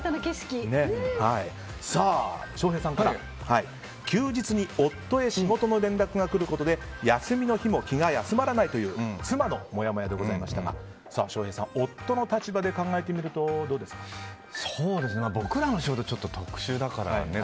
さあ、休日に夫へ仕事の連絡が来ることで休みの日も気が休まらないという妻のもやもやでございましたが翔平さん、夫の立場で僕らの仕事はちょっと特殊だからね。